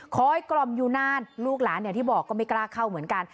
คอยกล่อมอยู่หน้าลูกหลานที่บอกก็ไม่กล้าเข้าเหมือนกัน